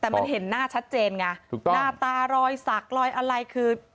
แต่มันเห็นหน้าชัดเจนไงถูกต้องหน้าตารอยสักรอยอะไรคือ